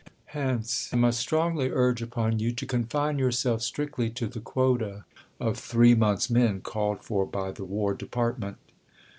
Hence I must strongly urge upon you to confine yourseK strictly to the quota of three months' men called for by the War Department.